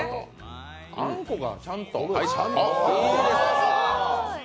あんこがちゃんと。